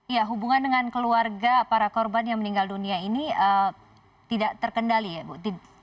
ya hubungan dengan keluarga para korban yang meninggal dunia ini tidak terkendali ya bu